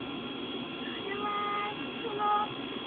それはその。